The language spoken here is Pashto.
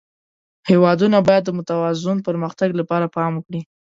هېوادونه باید د متوازن پرمختګ لپاره پام وکړي.